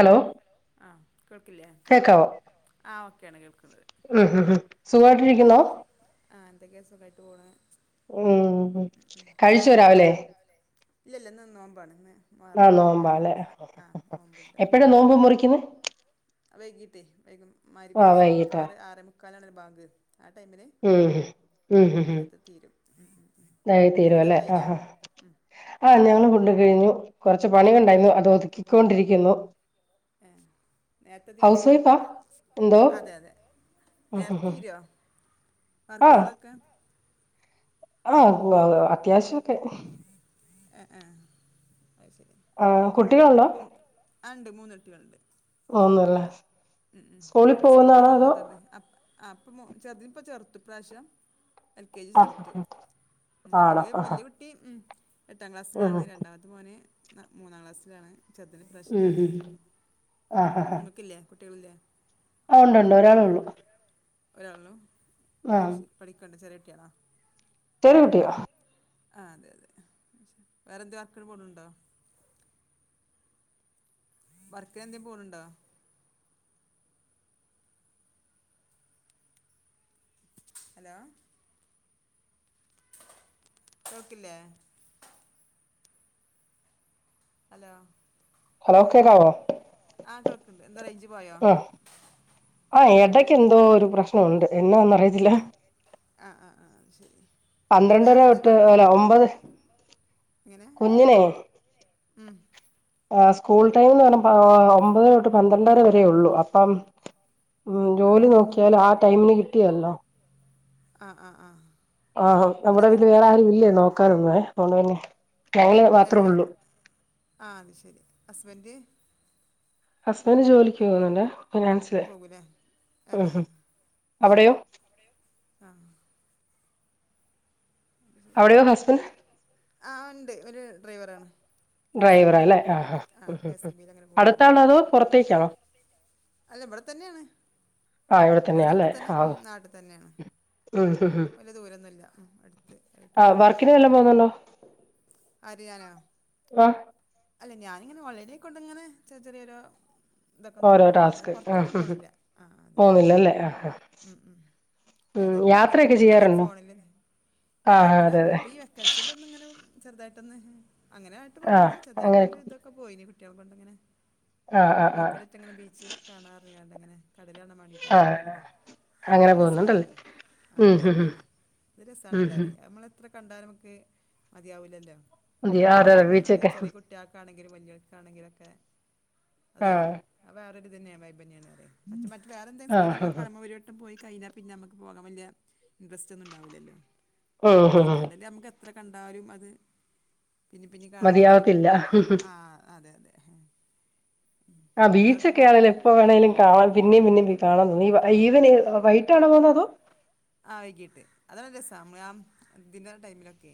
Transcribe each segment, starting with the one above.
Hello. അ കേൾക്കില്ലേ? ആ ഓക്കെയാണ് കേൾക്കുന്നത് മ് ഹ്മ് ഹ് സുഖായിട്ടിരിക്കുന്നോ? ആ എന്തൊക്കെയാ സുഖമായിട്ട് പോണ് ഉ ഹ്മ് കഴിച്ചൊ രാവിലെ? ഇല്ല ഇല്ലന്ന് ന്നൊ ആ നോമ്പാലെ ആ [unintelligible] നോമ്പുണ്ട് എപ്പഴാ നോമ്പ് മുറിക്കുന്നേ? വൈകീട്ടെ വൈകു മയിര്ബി ആ വൈകിട്ടാ ആറ് ആറെമുക്കാലാണല്ലൊ ബാങ്ക്. ആ ടൈമില് ഉം ഉം മ് അത് തീരും. ഉം. ദായി തീരുലെ ഇന്നത്തൊക്കെ ആ കഴിഞ്ഞാ ഹ ഉം. ആ ഞങ്ങൾ ഫുടൊക്കെ കഴിഞ്ഞു കൊറച്ച് പ പണിണ്ടായിരുന്നു അത് ഒതുക്കിക്കൊണ്ടിരിക്കുന്നു ആഹ നേരത്തെ തീരോ ഹൗസ് വൈഫാ എന്തോ അതെ അതെ ഉം ഉം ഉം നേരത്തീറോ വർക്കുകളൊക്കെ ആഹ അത്യാവശ്യമൊക്കെ ഏ ഏ അത് ശരി ആ കുട്ടികളണ്ടോ ആ ഉണ്ട് മൂന്ന് കുട്ടികളുണ്ട് ഒന്നല്ലേ ഉം ഉം പിന്നെ സ്കൂളൊക്കെ തറന്നട്ടണ്ട് ഇപ്പ ചെറുപ്പ ചെറുത്ത് പ്രാവശ്യം എൽ കെ ജി ആ ചേർത്തു ആണോ മറ്റൊരു ആ വല്യ കുട്ടി എട്ടാം ഉം ക്ലാസ്സിലാണ് രണ്ടാമത്തെ മോന് മൂന്നാം ക്ലാസ്സിലാണ് ചെർതട്ട പ്രാവശ്യം ഉം ഉം ചെർുത്തത് നിങ്ങക്കില്ലേ കുട്ടികളില്ലേ ആ ഉണ്ടണ്ട് ഒരാളള്ളു ഒരാളിനു ആ ശരി പഠിക്കണ്ട ചെറട്ടിയാണാ ചെറ കുട്ടിയാ ആ അതെ അതെ വേറെന്തോ ആർക്കരു പോലണ്ടോ വർക്ക എന്തേും പോണണ്ടോ ഹലോ ക്കല [unintelligible] അല്ല ഹലോ കേക്കാവോ ആഹ കേൾക്കണ്ട് എന്താ റേഞ്ച് പോയോ ആഹ് ആഹ് എടയ്ക്ക് എന്തോ ഒരു പ്രശ്നമുണ്ട് എന്നാന്ന അറിയത്തില്ല ആഹ ആഹ് ആഹ് ശരി അല്ല പന്ത്രണ്ടര വേറെ എന്തെേിലും തൊട്ട് വർക്കിന് അല്ല പോണണ്ടോ ഒമ്പത് കുഞ്ഞിനെ ഉം ആ സ്കൂൾ ടൈം എന്ന് പറഞ്ഞ ഒമ്പത് തൊട്ട് പന്ത്രണ്ടര വരേ ഉള്ളു അപ്പം ഉം ആ ജോലി നോക്കിയാല് ആ ടൈമിന് കിട്ടിയല്ലോ ആഹ ആഹ ആഹ ആഹ നമ്മുടെ വീല് വേറെ ആരും ഇല്ലേ നോക്കാനൊന്ന അതൊണ്ട് തന്നെ ഏ ഏ ആ അത് ശരി ഹസ്ബൻഡ ഹസ്ബൻഡറ് ജോലിക്ക് പോകുന്നുണ്ടേ പോകില്ലേ ആ ആ അവിടെയോ ശരി ആ അവിടെഹസ്ബൻഡ് ആണ്ട് ഒരു ഡ്രൈവർ ആാണ് ഡ്രൈവറ അല്ലെ ആ ഇ ബിയിൽ അങ്ങനെ അടുത്ത പോകുന്നുണ്ട് ആള അതോ പുറത്തേക്കാണോ അല്ല ഇവിടെ തന്നെയാണ് ആ ഇവിടെ തന്നെയല്ലേ നാട്ടിൽ തന്നെ ആ ഉം, നാട്ടിൽ തന്നെയാണ് വലിയ ദൂരംന്നുമ ഇ ആ വർക്കിന വല്ലാം പോന്നണ്ടോ ആ അല്ലെ ഞാനിങ്ങനെ വളരെ കൊണ്ട് ഇങ്ങനെ ചെറ ചെറിയരു ഓരോ ടാസ്ക് ആ ആ അതെ പോന്നില്ലല്ലേ ആ ഉം ഉം ഉം ഏതായാലും യാത്രയൊക്കെ വർിരിക്കുമ്പോതായും ചെയ്യാറുണ്ടോ ഫോണ ആ ആ യാത്ര അതെ അതെ ഇപ്പൊ ഈ വെക്കേഷനിൽ ഒന്ന ഇങ്ങനെ ചെറുതായിട്ടൊന്ന് അങ്ങനെ ആയിട്ട് ആ പോയിട്ടില്ല ചെറുതായിട്ട് അങ്ങനെ ഒരു ഇതൊക്കെ പോയി കുട്ടികൾെ കൊണ്ട ഇങ്ങനെ ആ ആ ആ കോഴിക്കട ഇട്ട അങ്ങനെ ബീച്ച് കാണാറാണ്ട് അങ്ങനെ കടല കാണാൻ വേണ്ടീട്ട് ആ അങ്ങനെ പോയിന അങ്ങനെ അതൊക്കെ പോകുന്നുണ്ടല്ലേ രസമാണല്ലോ ആഹ ഉം അങ്ങനെ ഹ് ഹ് പോയി അത് ഉം രസമാണല്ലോ ഹ് അറിയ നമ്മള അത്ര കണ്ടാലും നമക്ക് മതിയാവില്ലല്ലോ അതെ അതെ കടണ ബീച്ചൊക്കെ ചെറ കുട്ടികൾക്കണെ ൾക്കാണെങ്കിലൊക്കെ ആ അതെ വേറൊരു തന്നെയ വൈബയാണ് അ മറ്റ വേറെന്തങ്കില ആ ഹ സ്ലങ്ങളൊ ഹ കിമുമ വരു [unintelligible] പോയി കഴിഞ്ഞൽ പിന്നെ നക്ക് പോകൻ വലിയ ഇൻട്രസ് ഒന്നും ഉണ്ടാവില്ലല്ലോ മലിക്കാട ന എത്ര കണ്ടാലും അത് പിന്നെ പിന്നെ കാണാൻ തന്നല്ല മതിയാവത്തില്ല ആ അതെ അതെ ആ ബീച്ചൊക്കെ നിങ്ങൾക്കപ്പോൾ ആണെങ്കിലും എപ്പോ വേണേിലും കാണാ പിന്നേ പിന്നേും കാണാ ഈവന് വൈകട്ടാണേ പോന്ന അതോ ആഹ വൈകീട്ട് അതല്ല രസ ന ആ ദി ന്റെ ടൈമിലൊക്കെ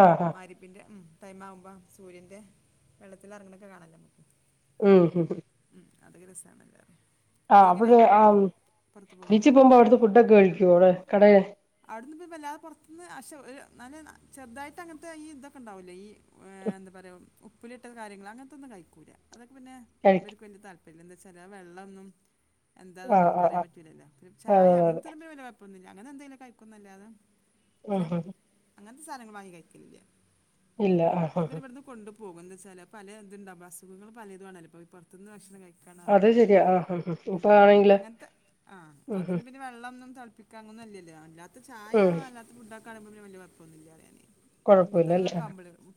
ആ ആ മഗ്രിബിന്റെ ടൈംമാവുമ്പോ സൂര്യന്റെ വെള്ളത്തി ഇറങ്ങണൊക്കെ കാണല്ലേ ഉം ഹ അതൊക്കെ രസമാണല്ലോ ആ് നിങ്ങളെങ്ങനെ അവിടെ ആ പുറത്ത് പോകുമോ ബിച്ചിൽ പോകുമ്പോ അവിടുത്തെ ഫുഡൊക്കെ കഴിക്കേ അവിടെ കടെ അവിടുന്ന് വല്ലാതെ പുറത്തുന്ന് നല്ല ചെറുതായിട്ട് അങ്ങനത്തെ ഈ ഇതൊക്കെ ഉണ്ടാവല്ലേ ഈ എന്താ പറയുക ഉപ്പിലിട്ട കാര്യങ്ങൾ അങ്ങനത്തെന്നും കഴിക്കൂല്ല അതൊക്കെ പിന്നെ ഇവർക്ക് നും വലിയ താല്പര്യമില്ല എന്താ വച്ചാൽ ആ വെള്ളമൊന്നും എന്താാ ആഹ് നമുക്ക് ആഹ് അറിയാൻ ആഹ് പറ്റൂലല്ലോ ചായ അതെ അതെ അതെ അങ്ങനത്തെ വ കുഴപ്പന്നില്ല അങ്ങനെ എന്തെങ്കിലും കഴിക്കുന്നല്ല തെ ഉം അങ്ങനെ ഉം അങ്ങനത്തെ സാധനങ്ങൾ വാങ്ങി കഴിക്കലില്ല ഇല്ല ആഹഹ പോകുന്നത് [unintelligible] പല എന്തുാ അസുഖൾ പല ഇതുമാണല്ലപ്പോ പുറത്തുന്ന് ഭക്ഷണം കഴിക്ക അത് [unintelligible] ശരിയാ ആഹ് ഉം ഉ ഇപ്പ ആണെങ്കില് അങ്ങനത്തെ ആ ഉം ഉം അതൊന്നും പിന്നെ വെള്ളം ത [unintelligible] അല്ലാ ചായ ഉം അല്ലാത ഫുഡൊക്ക കാണുമ്പോൾ കുഴപ്പമന്നില്ല അറിയാേ [unintelligible] കൊഴപ്പല്ലല്ലേ ആഹ്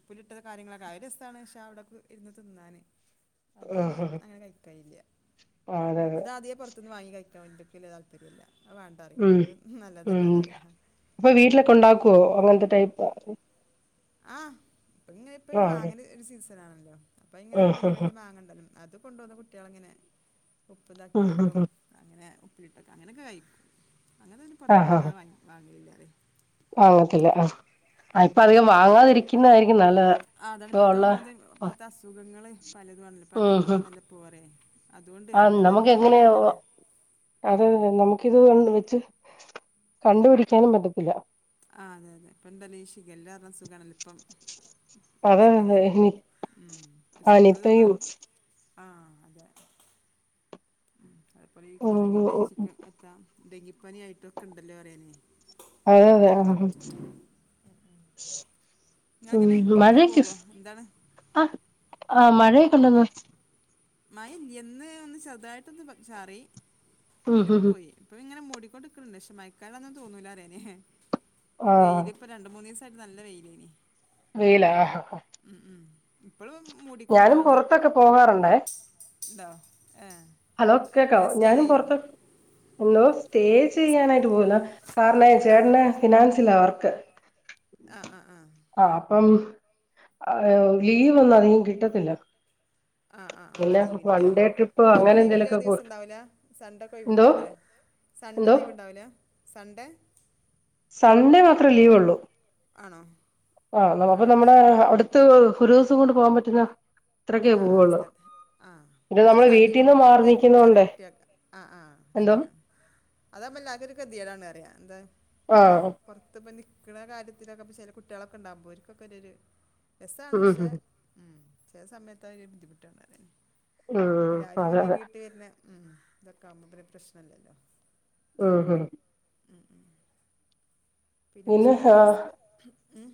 പുപ്പിലിട്ടത് കാര്യങ്ങളൊക്കെ ആ ഒരു രസമാണ് പക്ഷെ അവിടെ ഇന്ന് തിന്നാാന് അതൊര് ആഹ് അങ്ങനെ കഴിക്കായില്ല ആഹ് അതെ അതെ അത്ാദ്യേ പുൊറത്തുന്ന് വാങ്ങി കഴ അവർക്ക് താല്പര്യമില്ല വേണ്ട അറിയും ഉം അത് നല്ലതല്ല ഉം എന്നറിയാം അപ്പൊ വീട്ടിലൊക്കെ ഉണ്ടാക്കുവോ അങ്ങനത്തെ ടൈപ്പ ആഹ് ഇപ്പൊ ഇങ്ങനെ ഇപ്പൊ മാങ്ങ ഒരു സീസൺാണല്ലോ അപ്പൊ ഇങ്ങനെ ആഹ് വലിയ ആഹ് വലിയ മാങ്ങ ഉണ്ടല്ലും അത് കൊണ്ട് പോന്ന കുട്ടികളിങ്ങനെ ആഹ് ഉപ്പ്താക്കിക്കോട്ടും അങ്ങനെ ിട്ട അങ്ങനൊക്കെ കഴിക്കും അങ്ങനെ അന്നെ ആഹ് ആഹ് ആഹ് പുറത്തനിന്നുംല്ലാതാ വാങ്ങില്ല വാങ്ങത്തില്ല ആ ഇപ്പൊ അധികം വാങ്ങാതിരിക്കുന്നതരിക്ക ആ അതാണ് ഇപ്പത്തെ ഒന്ന ഇപ്പത്തെ അസുഖങ്ങള് പല ഇതുണല്ലോ പല ഉം ഉം ഇത്ണല്ലേ അതുകൊണ്ട് അല്ലാതെ ഒന്നും ഇണ്ടായിട്ടല്ല അതെതെ നമുക്കിത് വെച്ച് കണ്ടുപിടിക്കാനും പറ്റത്തില്ല [unintelligible] എന്തരീക്ഷിക്ക എല്ലാരണം സുഖമാല്ല ഇപ്പം അത വരുന്നത് ഉം. ഇപ്പം സ്കൂള് അനിത്തയും തന്നാലും [unintelligible] ആ അതെ ഉം കൊതുകിൻന്റെ ചിക്കൻ എത്താം ഡെങ്കിപ്പാന ആയിട്ടുംക്കെ ഉണ്ടല്ലോ പറയാനേ ആഹ്ഹ ആഹ നിങ്ങങ്ങനെ പുൊറത്തേക്ക് പോകുവോ എന്താണ് ആഹ മഴയൊക്കെണ്ട്ന്ന് മായ എന്ന് ഒന്ന് ചെറുതായിട്ടൊന്ന് ചാറി ഉം പിന്നെ ഇപ്പോ ഉം പോയി ഇപ്പ ഇങ്ങനെ [unintelligible] പക്ഷെ മയക്കാലൊന്നും തോന്നൂല അറേനെ ആഹ് വെയില് ഇപ്പൊ രണ്ടുമൂന്ന് ദിവസം ട്ട് നല്ല വെയിയിലേനി വെയില് ആ ഇപ്പോഴും ഞാനും മൂടിക്കൊണ്ടാണ് പുറത്തൊക്കെ പോകാറുണ്ടേ ഉണ്ടോ ഏ ഹലോ ഇങ്ങനെ കേക്കാവോ സ്റ്റേ ഞാനും ചെയ്യോ പുറത്ത് ഒന്നിവിടെ സ്റ്റേ ചെയ്യാനായി പോവൂലോ കാരണവെ ചേട്ടന് ഫിനാൻസിലാ വർക്ക് ആഹ് ആഹ് ആഹ് ഇപ്പം ആ ലീവൊന്നും അധികം കിട്ടത്തില്ല ആ ആ ആ പിന്നെ വൺ ലീവില്ലില്ലേ ഡേ ട്രിപ്പ് അപ്പൊ ഓരിക്ക് അങ്ങനെ ലീവുള്ള എന്തേലുമൊക്കെ പോ ദിവസം ഉണ്ടാവില്ല സൺഡേ ഒക്കെ ഒഴിവ് എന്തോ ഉണ്ടാവൂല്ലേ സൺഡേ എന്തോ ഒന്നും ഒഴിവുണ്ടാവൂല്ല സൺഡേ സൺഡേ മാത്രേ ലീവൊള്ളു ആണോ ആ അപ്പൊ അത് നമ്മുടെ ശരി അടുത്ത് ഒരു ദിവസം കൊണ്ട് പോവാൻ പറ്റുന്ന അത്രക്കേ ആ ആ പോവുള്ളൂ സ്ഥല ആഹ് ഇത് നമ്മള് അതല്ലേ നല്ലത് വീട്ടീന്ന് മാറി മറ്റൊക്കെ ഈ ചെറിയ നിക്കുന്നോണ്ടേ കുട്ടിയോൾക്കാ എന്തോ ശരിയാണ് അതാവുമ്പോ എല്ലാവർക്കും ഒരു ഗതികേടാണെന്ന് പറയുക എന്താ ആഹ് പൊറത്തിപ്പ നിക്കണ കാര്യത്തിലൊക്കെ ഇപ്പോ ചെല കുട്ടികളൊക്കെ ഉണ്ടാകുമ്പോ ഓൾക്കൊക്കെ ഒരു ഒരു രസാണ് ഉം പക്ഷേ ഉം ചെല സമയത്ത് അവര് ബുദ്ധിമുട്ടാന്ന് പറയണൊണ്ട് ആഹ് അപ്പൊ അതെ അതെ ഉം ഇതൊക്കെ ആവുമ്പൊ പിന്നെ പ്രശ്നമില്ലല്ലോ ആഹ് ആഹ് പിന്നെ ഉച്ചക്കെന്താ സ്പെ ഉം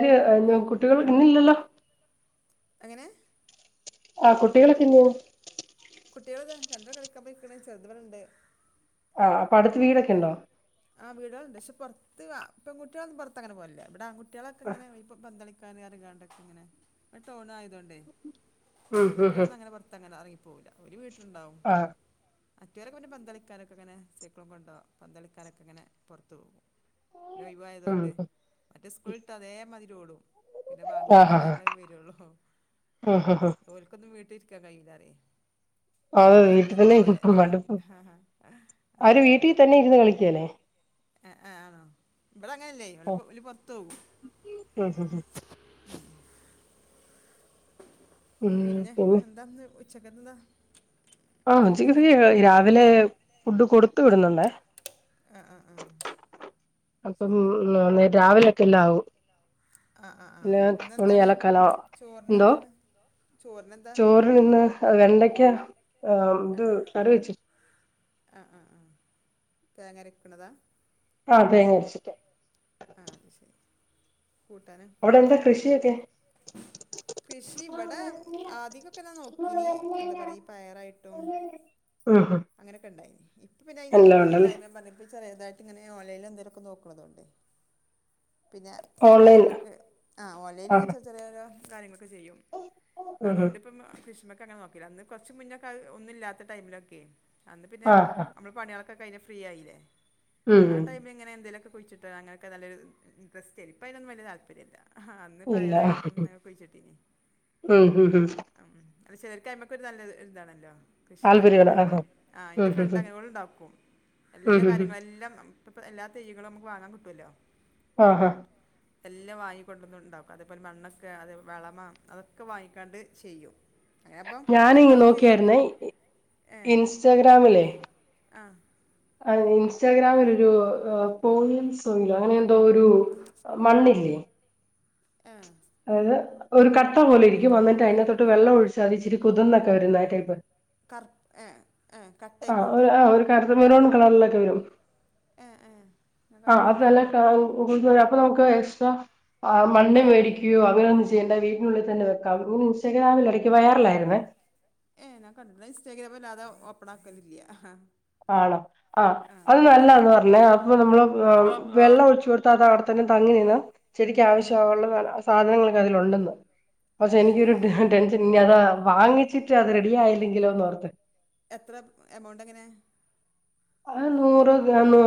[unintelligible] കുട്ടികള് ഇന്നില്ലല്ലോ എങ്ങനെ ആ കുട്ടികളൊക്കെ [unintelligible] വലുത് കളിക്കാം പോയിക്കണ്, ചെറുത് ഇവിടെ ഇണ്ട് ആഹ് അപ്പൊ അടുത്ത് വീടൊക്കെയുണ്ടോ ആ വീടകള് ഇണ്ട് പക്ഷെ പൊറത്ത് ആപെൺകൂടികളൊന്നും പൊറത്ത് അങ്ങനെ പോവലില്ല ഇവിടെ ആൺ കുട്ടിയാകളൊക്കെ ഇങ്ങെന പോർത് പന്തളി [unintelligible] ഇങ്ങനെ ഈ ടൗൺ ആയതുണ്ടേ ഉം ഉം ഉം പെകുട്ടിയാളൊന്നുംഅങ്ങനെ പുറത്ത് അങ്ങനെയിറങ്ങി പോവൂല ഓര്വീട്ടിലുണ്ടാവും ആഹ് മറ്റൊരൊക്കെ പിന്നെ പന്തളിക്കാനൊക്കെയിങ്ങനെ സൈക്കളുംകൊണ്ട് പന്തളി [unintelligible] ഇങ്ങനെ പൊറത്ത് പോവും ഉം ഒയ്‌വായതൊണ്ട് മറ്റേ സ്കൂളവിട്ടാ അതേ മാതിരി ഓടും പിന്നെ വാങ്ക്കൊടുക്കാൻ ആഹ് ആഹ് ടൈമിലെ വരുള്ളൂ ഉം ഉം ഉം ഓൽക്കൊന്നും വീട്ടിലിരിക്കാൻ കയ്യൂലാ പറയും അത് വീട്ടിൽ തന്നെ [unintelligible] ആ അവര് വീട്ടി തന്നെ ഇരുന്നു കളി അഹ് ആഹ് ആണോ ഇവിടങ്ങനെല്ലേ ഇവല് പൊറത്തോവും ഹ് ഹ് ഹ് ഹ് പിന്നെ എന്താ ഇന്ന് ഉച്ചക്ക് എന്താ ആ ഫുഡിന് ഉച്ചിക്കലുതേന് രാവിലെ ഫുഡ് കൊടടുത്ത് വിടുന്നുണ്ടേ. ആ ആ ആ അപ്പംമ്മ് ശരി മ്മ് രാവിലെക്കെല്ലാആവും. ആ ആഹ ആഹ് ഇന്നെന്താണ് ചോറിനെന്താണ്. ചോറിനെന്താ ചോറിന് ഇന്ന് വെണ്ടക്ക ആ ഇത് കറിവെച്ച് ആഹാ ആഹാ അഹാ തേങ്ങരക്കണത ആ തേങ്ങയരച്ചിട്ട് അ അത് ശരി കൂട്ടാന് അവിടെന്താ കൃഷിയൊക്കെ കൃഷിയിവിടെ ആദിക്കൊക്കെ ഞാൻ നോക്കീഞ്ഞി എന്താ പറയാ ഈ പയറായിട്ടും- ഉം ഉം അങ്ങനൊക്കെ ഇണ്ടായിനി ഇപ്പൊ പിന്നെ അയ്നൊന്നും എല്ലാം എൻക്ക് ഉണ്ടല്ലേ ടൈമില്ല ഞാൻ പറഞ്ഞ്ലെ ചെറതായിട്ട് ഇങ്ങനെ ഓൺലൈൽ എന്തേലുഒക്കെ നോക്ക്ണതോണ്ട്. പിന്നെ ഇപ്പോ ഓൺലൈൻ അയ്മക്ക് ആ ഓൺലൈൻലിങ്ങനെ ആഹ് ചെറി ചെറിയ ഓരോ കാര്യ ക്കെ ചെയ്യും ഉം ഉം അതൊണ്ട് ഇപ്പം സ്പെഷ്യ- ക്കെങ്ങനെ നോക്കീലേ അന്ന് കൊറച്ച് മുന്നെക്കെ ഒന്നില്ലാത്ത ടൈമിലൊക്കെയ് അന്ന് പിന്നെ ആഹ് നമ്മള് പണ്യായ കൊക്കെ കൈഞ്ഞ് ഫ്രീയായിലെ ഉം ആ ഉം ടൈമിലിങ്ങനെ എന്തേലൊക്കെ കുയ്ച്ചിട്ട് അങ്ങ ഒക്കെ നല്ലരു, ഇൻട്രസ്റ്റ് ഇപ്പം ആയിലൊന്നും വല്യ താല്പര്യല്ല. ആഹ് അന്ന് ഇല്ല പയറായിട്ടും, കുഴിച്ചിട്ടീഞ്ഞി ഉം ഉം ഉം ആ ഉം ചെലർക്ക് അയ്മകോര് നല്ല ഒരു ഇതാണല്ലോ കൃഷിണ്ടാക്കണ, താല്പര്യമാണ് കാര്യത്തില്, ആഹ് ആഹ്, ഉം ഇന്റെ, ഉം ഫ്രണ്ട്, ഉം അങ്ങനെ, ഓൾ ണ്ടാക്കും, എല്ലാ ഉം ഉം ഉം കാര്യങ്ങള്, എല്ലാം ഇപ്പൊ എല്ലാ തൈകളും നമ്മക്ക് വാങ്ങാൻ കിട്ടുവല്ലോ. ആഹാ എല്ലാം വാങ്ങിക്കൊണ്ടന്ന് ണ്ടാക്കും അതേപോലെ മണ്ണൊക്കെ അതേ വളമ അതൊക്കെ വാങ്ങിക്കാണ്ട് ചെയ്യും. അങ്ങനെ അപ്പം നല്ല ഞാന് ഇങ്ങ് ഉണ്ടാവും ചെയ്യും നോക്കിയാര്ന്നെ ഏ ഇൻസ്റ്റഗ്രാമിലെ ആ ഇൻസ്റ്റാഗ്രാമിലൊരൊരു അ പോയിം സോയിലോ അങ്ങനെ എന്തോ ഒരു മണ്ണില്ലെ. ആ അതായത് ഒരു കട്ട പോലെ ഇരിക്കും അന്നിട്ട് അയ്ന്റഅതൊട്ട് വെള്ളം ഒഴിച്ച അതിച്ചിരി കുതിർന്നൊക്കെ വരുന്ന ട്ടൈപ്പ്. കർപ്പ്‌ ഏ ഏ ആ കട്ടയ്ക്കൊണ്ടോ ആ ഒരു കടുത്ത മെറൂൺ കളറിലൊക്കെ വരും. ഏ ഏ ഞാൻ ആ കണ്ടിട്ടില്ല അതല്ല [unintelligible] അപ്പൊ നമുക്ക് എക്സ്ട്രാ ആ മണ്ണ് മേടിക്കുയോ അങ്ങനെ ഒന്ന് ചെയ്യേണ്ട വീ ട്ടിനുഉള്ളിൽ തന്നെ വെക്കാം. ഈ ഇൻസ്റ്റാഗ്രാമില് ഇടയക്ക് വൈറലാ യിരുന്നേ. ഏ ഞാൻ കണ്ടിട്ടില്ല ഇൻസ്റ്റാഗ്രാമല്ലാതെ ഓപ്പൺ ആക്കലില്ല. ആണോ? ആ അത് അതാവും കാരണം നല്ലതാന്ന്പറഞ്ഞു അപ്പൊ നമ്മള് വെള്ളം ഒഴിച്ചു കൊടു തവിടത്തന്നെ തങ്ങിനിന്നാ ചെടിയ്ക്ക് ആവശ്യമായുള്ള സാധനങ്ങളൊക്കെ അതിലുണ്ടന്ന്. പക്ഷെ ഏ ഏ എനിക്കൊരു ഏ ടെൻഷൻ ഇനി അത് വാങ്ങിച്ചിട്ട് അത് റെഡി ആയില്ലെങ്കിലോന്ന് ഓർത്ത്. എത്ര എമൗണ്ട് എങ്ങനെ? അത് നൂറ് ഗ്രാമാ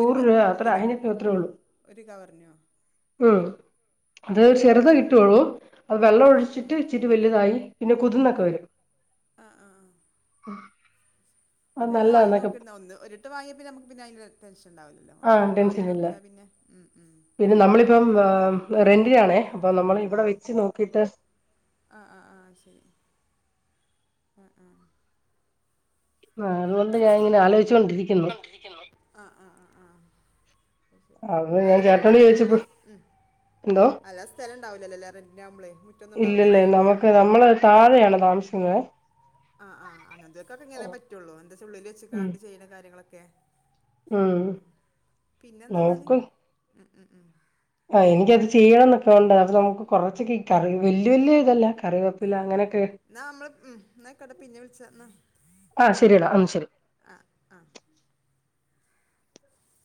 ഒരു ഇതിനാ? ഒരു കവറിനോ? ഉം. അത് ആ ഒരു ആ ആ ചെറുതേ കിട്ടുവുള്ളൂ. അത് ഏ ഏ ഏ വെള്ളമൊഴിച്ചിട്ട് ഇച്ചിരി വലുതായി- പിന്നെ കുതുന്നൊക്കെ വരും. ആ ആ ആ അത് ഒന്ന് വാങ്ങി നല്ലതാന്നൊക്കെ നോക്കുന്നോ. ഒരിട്ട് വാങ്ങിയാ പിന്നെ നമുക്ക് അതിന്റെ ടെൻഷൻണ്ടാ ആ ടെൻഷൻ ഇല്ല. ഉം പിന്നെ നമ്മളിപ്പം റെന്റിനാണേ. അപ്പൊ നമ്മൾ ഇവിടെ വെച്ച് നോക്കിട്ട് ആ ആ ആ ശരി ആ ആ ആ അതുകൊണ്ട് ഞാൻ ഇങ്ങനെ ആലോചിച്ചു കൊണ്ടിരിക്കുന്നു. കൊണ്ടിരിക്കുന്നു ആ ആ ആ ആ ശരി അത് വേറെ ഞാൻ എന്തെങ്കിലും ചേട്ടനോട് ഉണ്ടാക്കും വീട്ടില് ചോദിച്ചപ്പം ഉം. എന്തോ? അല്ല സ്ഥലം ഉണ്ടാവില്ലല്ലോ അല്ലേ റെന്റിനാകുമ്പളേ മുറ്റൊന്നും ഉണ്ടാവില്ലല്ലേ ഇല്ലില്ല നമുക്ക് നമ്മള് താഴെയാണ് താമസം ക്കുന്നെ ആ ആ അങ്ങനത്തെയൊക്കേ ഇങ്ങനെ പറ്റുള്ളൂ. എന്താ ഉുള്ളിൽ ഉം വെച്ച്ക്കാണ്ട് ചെയ്യുന്ന കാര്യങ്ങളൊക്കെ. ഉം. പിന്നെന്താന്നാല് നോക്ക് ഉം ഉം ഉം ആ എനിക്കത് ചെയ്യണം എന്നൊക്കെ ഉണ്ട്. അപ്പൊ നമുക്ക് കൊറച്ചൊക്ക ഈ കറി വല്യ വല്യ ഇതല്ല. ആ കറിവേപ്പില അങ്ങനെയൊക്കെ എന്നാ നമ്മള് ഉം എന്ന കെടാ പിന്നെ വിളിച്ച എന്നാ. ആ ശരിയടാ ഉം ശരി. ആ ആ